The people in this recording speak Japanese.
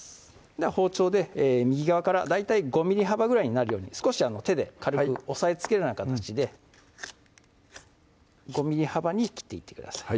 包丁で右側から大体５ｍｍ幅ぐらいになるように少し手で軽く押さえつけるような形で５ｍｍ幅に切っていってください